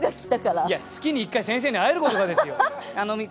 月に１回先生に会えることがですよ。